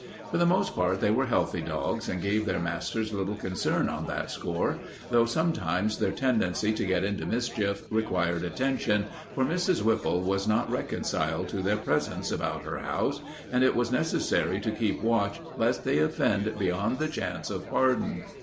For the most part they were healthy dogs and gave their masters little concern on that score, though sometimes their tendency to get into mischief required attention, for Mrs. Whipple was not reconciled to their presence about her house and it was necessary to keep watch lest they offend beyond the chance of pardon.